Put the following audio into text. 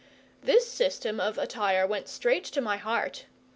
This system of attire went straight to my heart.